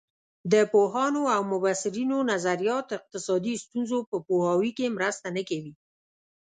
د پوهانو او مبصرینو نظریات اقتصادي ستونزو په پوهاوي کې مرسته نه کوي.